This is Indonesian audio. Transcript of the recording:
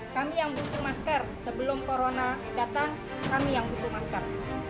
kami yang butuh masker sebelum corona datang kami yang butuh masker